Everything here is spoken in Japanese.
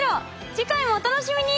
次回もお楽しみに！